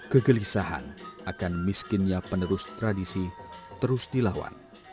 kegelisahan akan miskinnya penerus tradisi terus dilawan